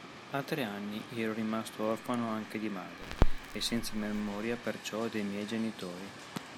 A tre anni, io ero rimasto orfano anche di madre, e senza memoria perciò de' miei genitori;